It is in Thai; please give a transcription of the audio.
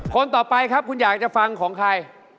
คนต่อไปครับคุณอยากจะฟังของใคร